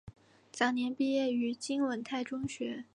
早年毕业于金文泰中学。